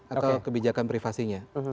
atau kebijakan privasinya